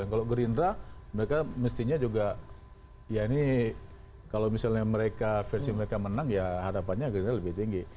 kalau gerindra mereka mestinya juga ya ini kalau misalnya mereka versi mereka menang ya harapannya gerindra lebih tinggi